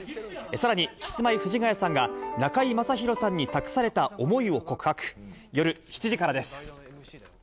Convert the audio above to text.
さらに、キスマイ・藤ヶ谷さんが、中居正広さんに託された思いを告白。